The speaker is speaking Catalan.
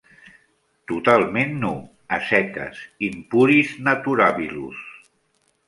Totalment nu. A seques. "In puris naturabilus"